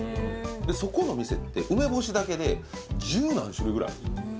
そこの店って梅干しだけで１０何種類ぐらいあるんですよ